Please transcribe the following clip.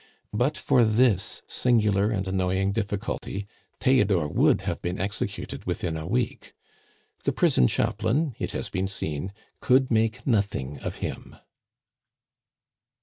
But for this singular and annoying difficulty, Theodore would have been executed within a week. The prison chaplain, it has been seen, could make nothing of him.